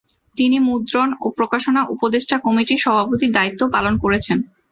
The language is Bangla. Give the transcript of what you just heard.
তিনি মুদ্রণ ও প্রকাশনা উপদেষ্টা কমিটির সভাপতির দায়িত্বও পালন করেছেন।